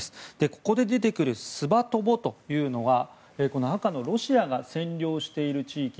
ここで出てくるスバトボというのは赤のロシアが占領している地域。